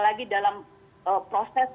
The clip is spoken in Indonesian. lagi dalam proses